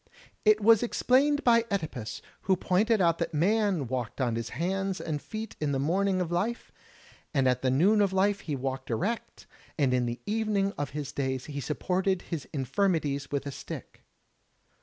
It was explained by (Edipus, who pointed out that man walked on his hands and feet in the morning of life, at the noon of life he walked erect, and in the evening of his days he supported his infirmities with a stick.